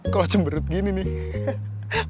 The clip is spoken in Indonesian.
kalo cemberut gini nih